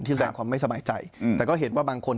แสดงความไม่สบายใจแต่ก็เห็นว่าบางคน